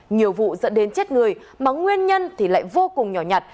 nhiều vụ dẫn đến chết người mà nguyên nhân thì lại vô cùng nhỏ nhặt